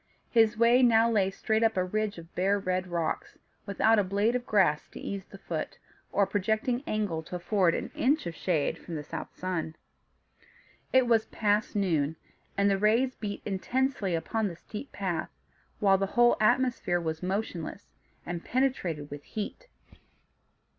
His way now lay straight up a ridge of bare red rocks, without a blade of grass to ease the foot, or a projecting angle to afford an inch of shade from the south sun. It was past noon, and the rays beat intensely upon the steep path, while the whole atmosphere was motionless, and penetrated with heat.